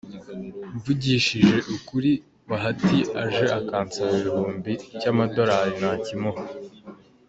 Mvugishije ukuri Bahati aje akansaba igihumbi cy'amadorali nakimuha,.